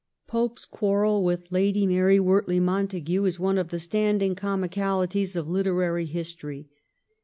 Pope's quarrel with Lady Mary Wortley Montagu is one of the standing comicalities of literary history.